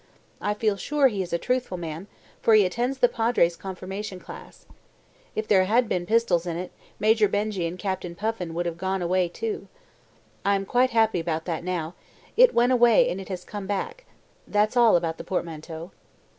I feel sure he is a truthful man, for he attends the Padre's confirmation class. If there had been pistol's in it, Major Benjy and Captain Puffin would have gone away too. I am quite happy about that now. It went away and it has come back. That's all about the portmanteau."